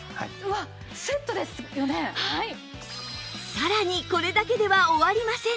さらにこれだけでは終わりません